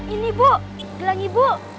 ini bu gelang ibu